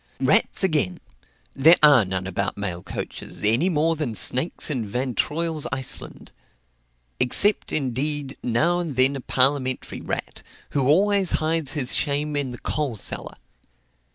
Rats again! there are none about mail coaches, any more than snakes in Van Troil's Iceland; except, indeed, now and then a parliamentary rat, who always hides his shame in the "coal cellar."